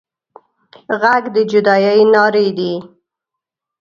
غږ د جدايي نارې دي